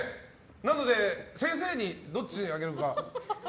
なので、先生にどっちあげるか。